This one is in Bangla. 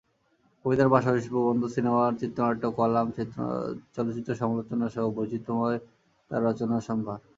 কবিতার পাশাপাশি প্রবন্ধ, সিনেমার চিত্রনাট্য, কলাম, চলচ্চিত্র সমালোচনাসহ বৈচিত্র্যময় তাঁর রচনাসম্ভার।